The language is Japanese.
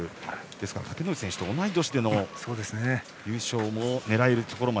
ですから竹ノ内選手と同じ年齢での優勝も狙えるという。